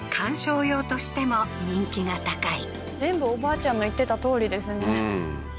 全部おばあちゃんが言ってたとおりですね